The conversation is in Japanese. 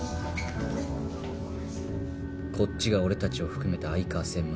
こっちが俺たちを含めた相川専務派。